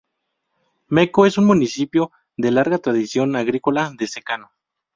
Meco es un municipio de larga tradición agrícola de secano.